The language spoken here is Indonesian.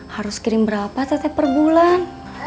harus kirim berapa teh teh per bulan